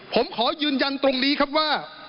ผมขอยืนยันตรงนี้ครับว่า